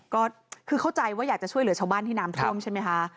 ก็คือเข้าใจว่าอยากจะช่วยเหลือชาวบ้านที่น้ำท่วมใช่ไหมคะ